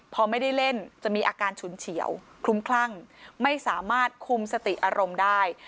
พอไม่ได้เล่นจะมีอาการฉุนเฉียวคลุ้มคลั่งไม่สามารถคุมสติอารมณ์ได้